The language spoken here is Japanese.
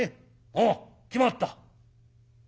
「ああ決まった」。